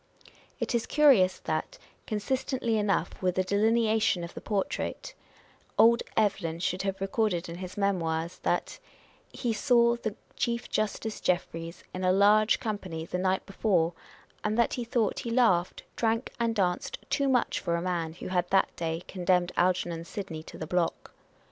It is curious that, con sistently enough with the delineation in the portrait, old Evelyn should have recorded in his Memoirs, that " he saw the Chief Justice Jeffries in a large company the night before, and that he thought he laughed, drank and danced too much for a man who had that day condemned Algernon Sidney to the block."